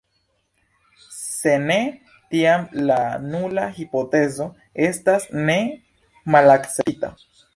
Se ne, tiam la nula hipotezo estas ne malakceptita.